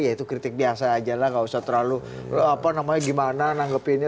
ya itu kritik biasa aja lah gak usah terlalu apa namanya gimana nangkepinnya